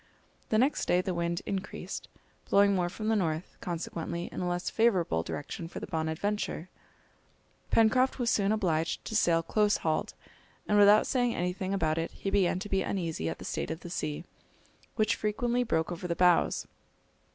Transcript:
The next day the wind increased, blowing more from the north, consequently in a less favourable direction for the Bonadventure. Pencroft was soon obliged to sail close hauled, and without saying anything about it he began to be uneasy at the state of the sea, which frequently broke over the bows.